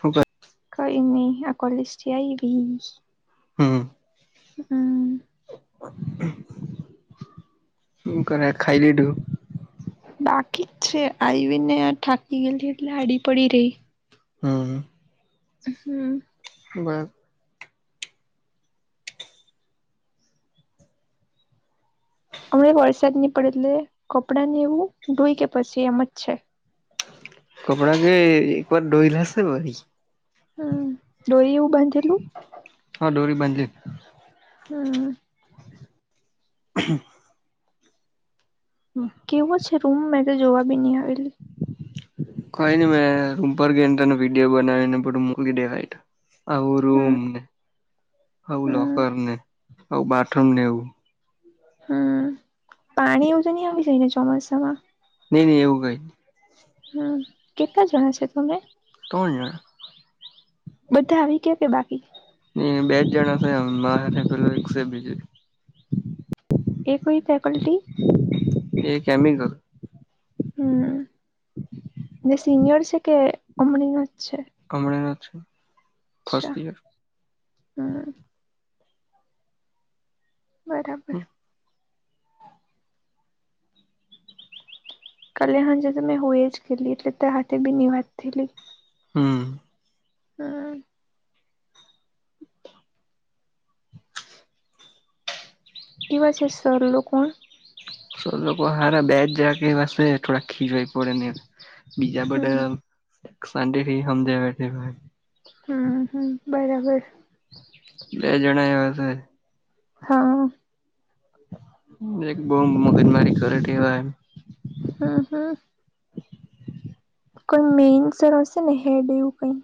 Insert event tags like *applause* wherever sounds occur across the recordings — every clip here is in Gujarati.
શું કોઈ નહી આ કોલેજથી આઈવી હમ હમ કર ખાઈલીધુ બાકી જ છે આવીને થાકી ગયેલી એટલે આડી પડી રહી હા હમ બર હમણા વરસાદ નહી પડે એટલે કપડાં ને એવું ધોઈ કે પછી એમ જ છે કપડા કે એક વાર ધોઈલેશે ભાઈ હમ ડોરી એવું બાંધેલું હા ડોરી બાધેલી હમ કેવો છે રૂમ મે તો જોવા બી નહિ આવેલી કોઈ નઈ મેં રૂમ પર ગઈ ને તનો વિડીયો બનાવી ને બધું મૂકી દેવા આવું રૂમ હમ ને આવું હમ લોકર ને આવું બાથરૂમ ને એવું હમ પાણી એવું તો નહી આવી જાયને ચોમાસામાં નહી નહી એવું કઈ ન હમ કેટલા જણા છે તમે દો જણ બધા આવી ગયા કે બાકી બે જ જણા થે મારે પેલો એક છે બીજું એ કોઈ ફેકલ્ટી એ કેમિકલ હમ જે સિનિયર છે કે અમણીનો જ છે કમણાના છે *inaudible* અચ્છા હમ્મ બરાબર કલે્યા હણ જે તો મેં હોય જ ગેલી એટલે ત હાથે બીની વાત થેલી હમ હા એવા છે સર લોકો સો લોકો લોકો હાર બેજ જાય કેવાસે ટોડા ખીજઈ પડે ન બીજા બા હમ સમજ હમ હમ બરાબર બે જણા એવા છે. હા એક બહ મગનમારી કરવાયમ હા હા કોઈ મેઇન સરોરસે નને હેડેવુ, કઈ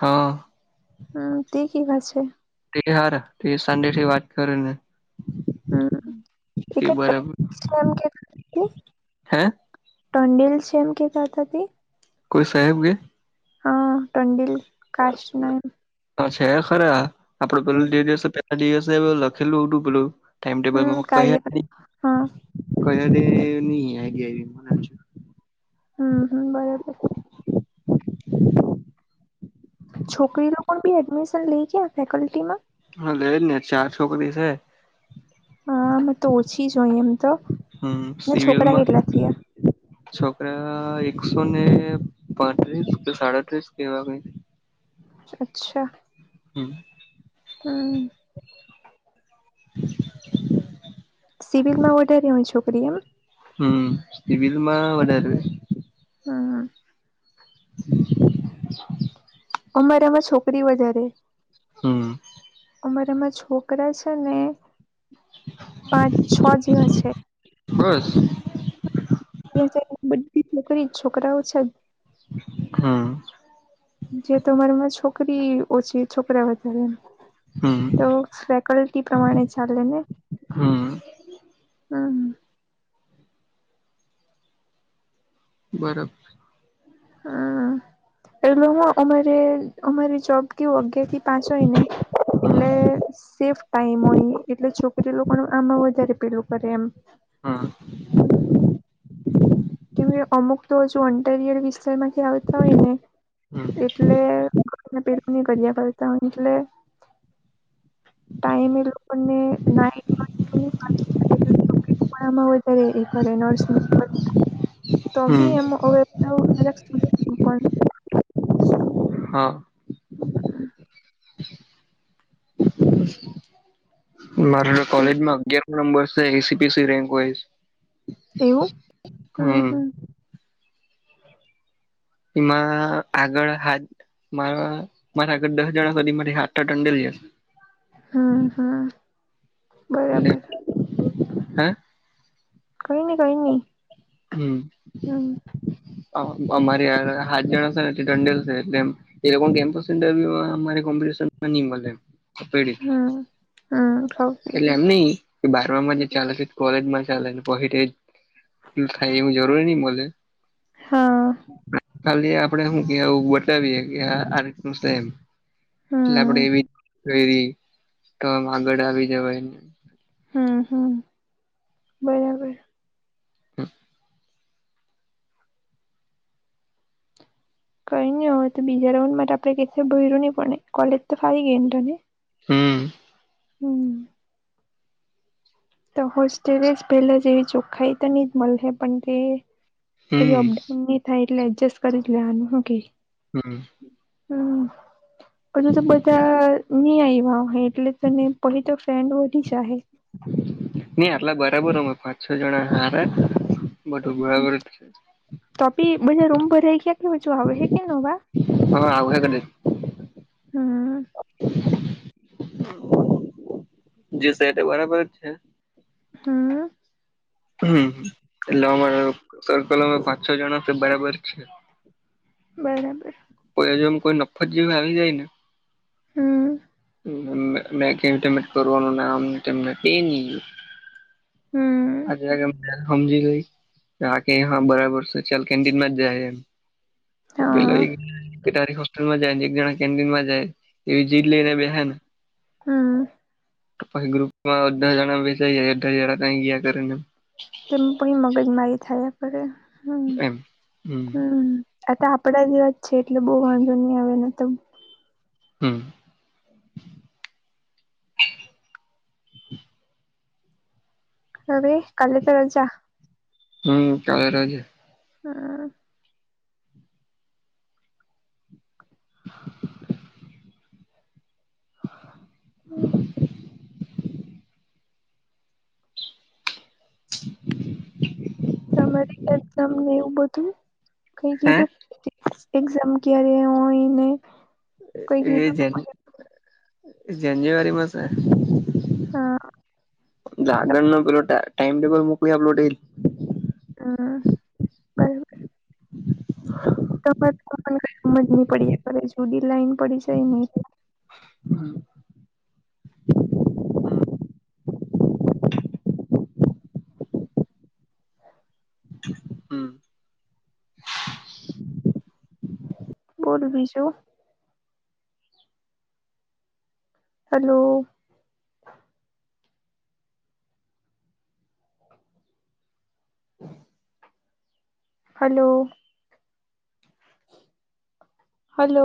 હમ્મ હમ તે વા છે. તે હાર તે સંડે થી વાત કરો ને હમ તે એકાદ છે બરાબર એમ કેવી હતી. હે ટોન્ડીેલ છે, એમ કી દા હતા હતી. કોઈ સાહેબ કે ટંડીલ કશ ના હ છે, ખરા આપડે હમ પેલું દિવસે પેલા દિવસે લખેલું પેલું ટમટેલ હમ ક કાર્ય હા હમ--હમ બરાબ *inaudible* છોકરી, લોકો બી એડમિશન લઈ ગયા. ફેકલ્ટીમા હા, લેને ચાર છોકરી છે. હા, મે તો ઓછી જો હોય એમ તો હમ છોકરા સિવિલમાં કેટલા થયા. છોકરા, એકસો ને પાંત્રીસ કે સાડત્રીસ કેવા કઈ. અચ્છા હમ હમ *inaudible* સિવિલ માં વધારી હોય, છોકરી એમ હમ, બિલમાં વધારે હમ *inaudible* અમારેમાં છોકરી, વધારે હમ અમારામાં છોકરા છેને, પાંચ છ જેવા છે. બસ બધી છોકરી છોકરાઓ છે. હા જે તો મારામાં છોકરી ઓછી છોકરા, વધારે હા તો ફેકલ્ટી પ્રમાણે ચાલે ને હમ બરાબર હમ, એ લોકોમાં ઉમેે અમારી જોબ કેવું અગિયાર થી પાંચ હોય, ને એટલે સેફ ટાઈમ હોય એટલે છોકરી લોકો ન આમાં વધારે પેલું કરે એમ. હમ હમ હમ. કે કે અમુક તો હજુ અન્ટરયર વિસ્તાર માંથી આવતા હોય, ને હમ એટલે ને પે કર પતા હોલે ટાઈમે એ લોકોને નાટ માં હોય ત્યારે એ કર નર્સ ત હમ બી એમ *unintelligible* હા. હમ. મારે તો કોલેજમાં અગિયારમો નંબર છે એસીપીસી રેન્ક વાઈઝ. એવું હમ હમ. એમાં આગળ હાથ મારા મારા આ ઘર દસ જણા સુધી મારી હાથા ટંડેલ છે. હમ હમ એટલે બરાબર. હે? કઈ નહીં, કઈ નહીં. હમ અમારે યાર હાથ જણા છે ને દંડેલ છે એટલે એમ. એ લોકો કેમ્પર્યમા કોમ્પિશનમાં નહીં મળે. પેડ હમ હમ ખઉ એટલે પીધી એમ નહીં બાર માં જે ચાલે છે કોલેજ માં ચાલે પછી થાય એવું જરૂરી નહી બોલ. હા ખાલી આપડે હું કવું બતાવીએ કે આ રીતનું છે એમ. એટલે હમ આપડે એવી તો આમ આગળ આવી જવાય. હમ હમ બરાબર. *inaudible* કઈ નહી હોય તો બીજા રાઉન્ડ માટે આપડે કે ભર્યું નહી પણને કોલેજ તો ફરી ગઈ ને તને. હમ. હમ. તો હોસ્ટેલે જ પેલા જેવી ચોખાઈ તો નહી જ મળે પણ કે પછી હમ અપડાઉન નહી થાય એટલે એડજસ્ટ કરી લેવાનું શું કે. હમ. હમ હજુ તો બધા નહી આવ્યા એટલે તને પહી તો ફ્રેડો વધી જાયે. નહી આટલા બરાબર અમે પાંચ છ જણા હાર બધું બરાબર. તોપી બધા રૂમ ભઈ ગયા કે ઓછુ આવે હ કેમ નવા હા આવખ કદાચ. હમ જી શેટ બરાબર જ છે. હમ. હમ એટલે અમારે સર્કલ પાંચ છ જણા બરાબર છે. બરાબર. કોઈ કોઈ નફત જેવી આવી જાય ને. હમ. *unintelligible* કરવાનું આમ તેમ ને *unintelligible* હમ *unintelligible* સમજી ગઈ આ બરાબર સ ચાલ કેન્ટીનમાં જાય એમ. તો પેલો હા એકારી હોસ્ટેલમાં જાય ને એક જણા કેન્ટીન માં જાય એવી ચીટ લઈને બેશે ને હમ. તો પછી ગ્રુપમાં અધાઢા જણા જાય અધાઢા હ જણા કઈ ગયા કરે ને તેમ પણ મગજમારી થયા કરે હમ એમ હમ. આ તો આપણા જેવા જ છે એટલે બહુ વાંધો ની આવે એમતો હમ્મ. હવે કાલેતો રજા. હમ કાલે રજા. હા. હમ. *inaudible* તમારે તમને એવું બધું કઈ હે કીધું એક્ઝામ ક્યારે હોય ને કઈ એ કીધું જન જાન્યુઆરી માસ હા. આગણ નું પેલો ટાઈમ ટેબલ મોકલી આપલો તે હમ્મ પણ તમારેને કઈજ નહી પડી જુદી લાઈન પડી જાય નહી *inaudible* હમ બોલ બીજું હેલો *inaudible* હલો હલો